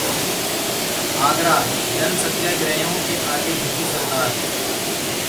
आगरा: जन सत्याग्रहियों के आगे झुकी सरकार